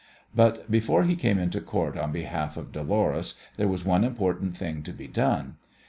But before he came into Court on behalf of Dolores there was one important thing to be done.